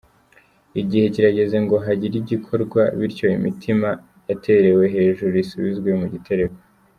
Igihe kirageze ngo hagire igikorwa, bityo imitima yaterewe hejuru isubizwe mu gitereko.